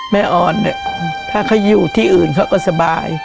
ออนเนี่ยถ้าเขาอยู่ที่อื่นเขาก็สบาย